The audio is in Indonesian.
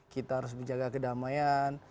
kita harus menjaga kedamaian